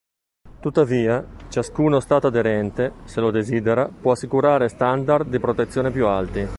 Tuttavia, ciascuno Stato aderente, se lo desidera, può assicurare standard di protezione più alti.